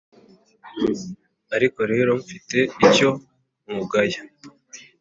Ariko rero mfite icyo nkugaya,